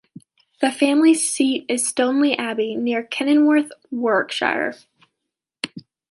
The family seat is Stoneleigh Abbey, near Kenilworth, Warwickshire.